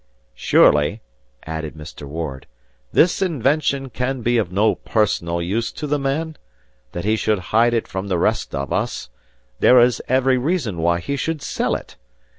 "Surely," added Mr. Ward, "this invention can be of no personal use to the man, that he should hide it from the rest of us. There is every reason why he should sell it.